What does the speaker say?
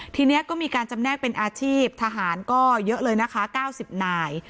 ทีนี้ก็มีการจำแนกเป็นอาชีพทหารก็เยอะเลยนะคะ๙๐นาย